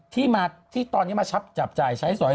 ที่มาที่ตอนนี้มาชับจับจ่ายใช้สอย